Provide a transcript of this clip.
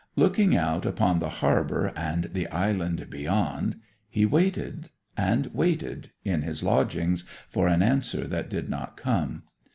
Looking out upon the harbour and the island beyond he waited and waited in his lodgings for an answer that did not come.